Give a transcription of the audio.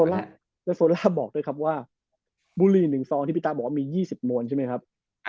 แล้วโซล่าบอกด้วยครับว่าบุรี๑ซองที่พี่ตาบอกว่ามี๒๐มวลใช่ไหมครับ